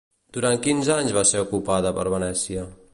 Durant quins anys va ser ocupada per Venècia?